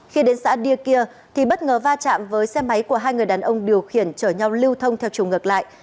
khi đến xã đa kia bất ngờ va chạm với xe máy của hai người đàn ông điều khiển chở nhau lưu thông theo chủng ngược lại